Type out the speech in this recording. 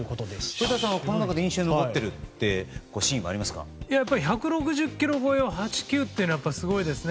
古田さんはこの中で印象に残っている１６０キロ超えを８球はすごいですね。